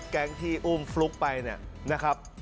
แกงที่อุ้มฟลุ๊กไปนะครับ